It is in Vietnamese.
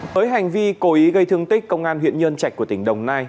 với hành vi cố ý gây thương tích công an huyện nhân trạch của tỉnh đồng nai